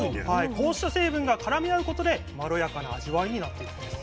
こうした成分が絡み合うことでまろやかな味わいになっているんです。